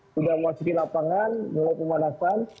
sudah masuk di lapangan mulai pemanasan